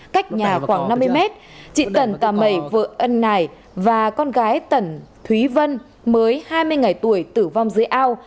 khoảng năm mươi mét chị tần tà mày vợ ân nải và con gái tần thúy vân mới hai mươi ngày tuổi tử vong dưới ao